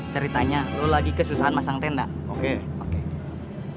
ceritanya lo lagi kesusahan masang tendang